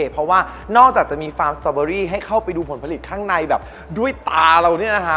เพราะว่านอกจากจะมีฟาร์มสตอเบอรี่ให้เข้าไปดูผลผลิตข้างในแบบด้วยตาเราเนี่ยนะฮะ